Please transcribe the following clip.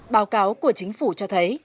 báo cáo của chính phủ cho thấy